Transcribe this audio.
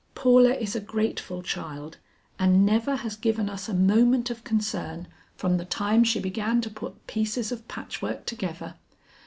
"Paula is a grateful child and never has given us a moment of concern from the time she began to put pieces of patchwork together.